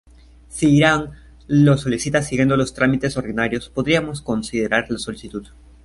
Si Irán lo solicita siguiendo los trámites ordinarios, podríamos considerar la solicitud".